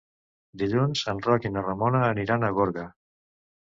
Dilluns en Roc i na Ramona aniran a Gorga.